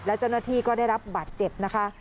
และเจ้าหน้าที่ก็ได้รับบาดเจ็บนะคะ